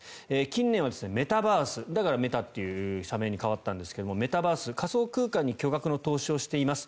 近年はメタバースだからメタという社名に変わったんですがメタバース、仮想空間に巨額の投資をしています。